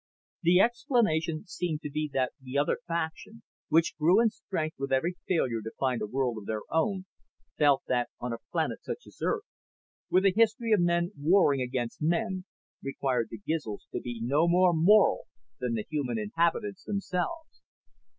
The explanation seemed to be that the other faction, which grew in strength with every failure to find a world of their own, felt that on a planet such as Earth, with a history of men warring against men, required the Gizls to be no more moral than the human inhabitants themselves.